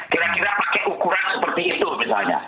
kira kira pakai ukuran seperti itu misalnya